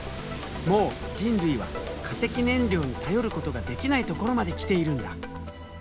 もう人類は化石燃料に頼ることができないところまで来ているんだ。